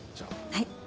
はい。